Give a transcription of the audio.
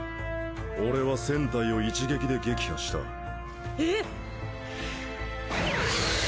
俺は１０００体を一撃で撃破したえ！？